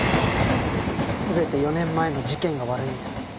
全て４年前の事件が悪いんです。